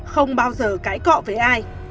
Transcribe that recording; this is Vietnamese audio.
không bao giờ cãi cọ với ai